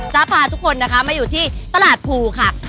จะพาทุกคนนับอยู่ที่ตลาดภูครับ